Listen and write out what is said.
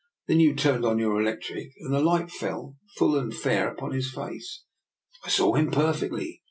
Then you turned on your electric, and the light fell full and fair upon his face. I saw him perfectly.